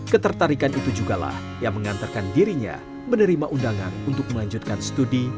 ketertarikan itu jugalah yang mengantarkan dirinya menerima undangan untuk melanjutkan studi